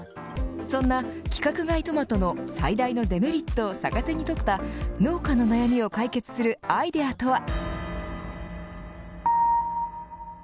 そんな規格外トマトの最大のデメリットを逆手に取った農家の悩みを解決するアイデアとは。